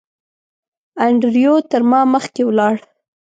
انډریو تر ما مخکې ولاړ.